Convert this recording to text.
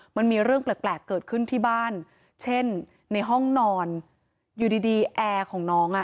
มันมีเรื่องแปลกเกิดขึ้นที่บ้านเช่นในห้องนอนอยู่ดีดีแอร์ของน้องอ่ะ